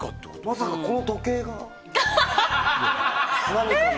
まさかこの時計が何かの。